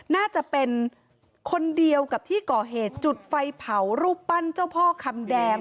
น่าจะเป็นคนเดียวกับที่ก่อเหตุจุดไฟเผารูปปั้นเจ้าพ่อคำแดง